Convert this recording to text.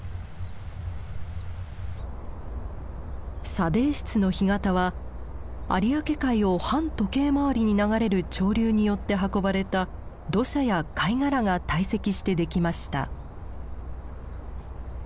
砂泥質の干潟は有明海を反時計回りに流れる潮流によって運ばれた土砂や貝殻が堆積してできました。